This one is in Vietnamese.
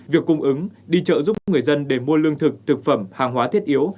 việc cung ứng đi chợ giúp các người dân để mua lương thực thực phẩm hàng hóa thiết yếu